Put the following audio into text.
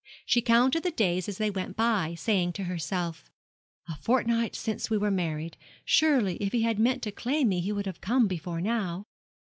She counted the days as they went by, saying to herself, 'A fortnight since we were married; surely if he had meant to claim me he would have come before now.'